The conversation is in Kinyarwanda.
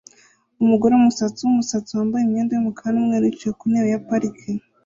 Umugore wumusatsi wumusatsi wambaye imyenda yumukara numweru yicaye kuntebe ya parike